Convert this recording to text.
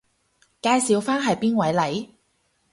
介紹返係邊位嚟？